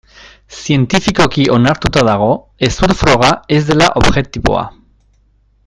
Zientifikoki onartuta dago hezur froga ez dela objektiboa.